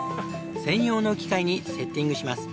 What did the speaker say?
専用の機械にセッティングします。